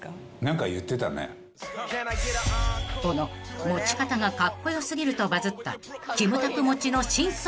［この持ち方がカッコ良過ぎるとバズったキムタク持ちの真相とは？］